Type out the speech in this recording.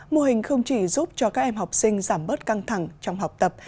mô hình không chỉ giúp cho các em học sinh giảm bớt căng thẳng trong học tập